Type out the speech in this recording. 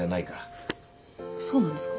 そうなんですか？